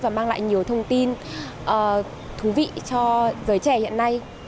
và mang lại nhiều thông tin thú vị cho giới trẻ hiện nay